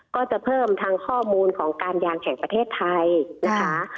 ก็จะเพิ่มทางข้อมูลของการยางแห่งประเทศไทยนะคะ